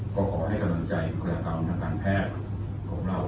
ก็ขอให้กำลังใจบุรกรรมทางการแพทย์ของเรา